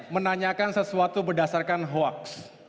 menanyakan sesuatu berdasarkan hoax